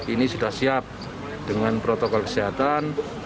ini sudah siap dengan protokol kesehatan